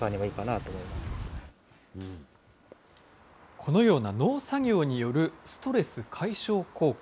このような農作業によるストレス解消効果。